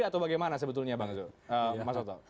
atau bagaimana sebetulnya bang zulto